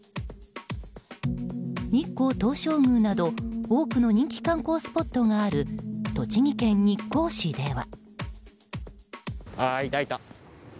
日光東照宮など多くの人気観光スポットがある栃木県日光市では。